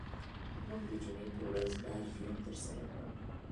موږ د جمعې په ورځ لاریون ترسره کړ